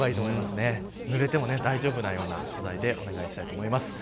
ぬれても大丈夫なような備えでお願いしたいと思います。